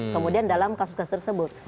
kemudian dalam kasus tersebut